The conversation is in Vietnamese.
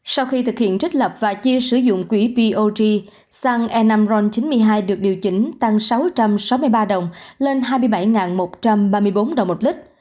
sau khi thực hiện trích lập và chia sử dụng quỹ bog xăng e năm ron chín mươi hai được điều chỉnh tăng sáu trăm sáu mươi ba đồng lên hai mươi bảy một trăm ba mươi bốn đồng một lít